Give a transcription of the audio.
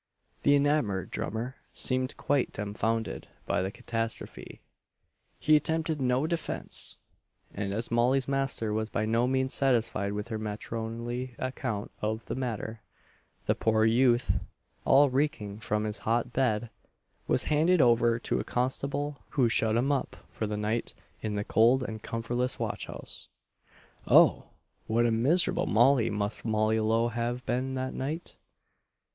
The enamoured drummer seemed quite dumbfounded by the catastrophe; he attempted no defence; and, as Molly's master was by no means satisfied with her matronly account of the matter, the poor youth all reeking from his hot bed, was handed over to a constable who shut him up for the night in the cold and comfortless watch house. Oh! what a miserable Molly must Molly Lowe have been that night!